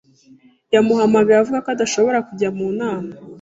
Yamuhamagaye avuga ko adashobora kujya mu nama.